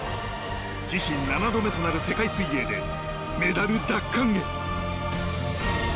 自身７度目となる世界水泳でメダル奪還へ。